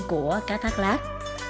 của cá thác lát